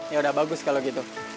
yaudah bagus kalo gitu